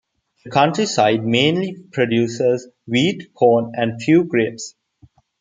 The countryside mainly produces wheat, corn and few grapes.